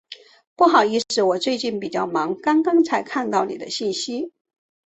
不好意思，我最近比较忙，刚刚才看到您的信息。